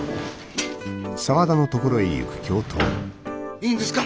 いいんですか？